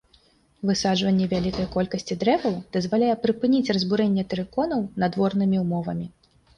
Высаджванне вялікай колькасці дрэваў дазваляе прыпыніць разбурэнне тэрыконаў надворнымі ўмовамі.